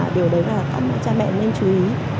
điều đấy là các cha mẹ nên chú ý